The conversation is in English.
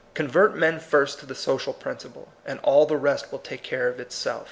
Convert men first to the social principle, and all the rest will take care of itself.